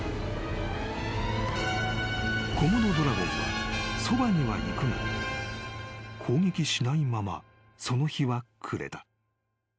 ［コモドドラゴンはそばには行くが攻撃しないままその日は暮れた］